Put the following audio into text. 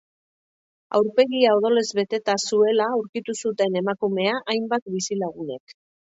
Aurpegia odolez beteta zuela aurkitu zuten emakumea hainbat bizilagunek.